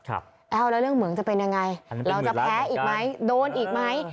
แล้วเรื่องเหมืองจะเป็นยังไงเราจะแพ้อีกไหมโดนอีกไหม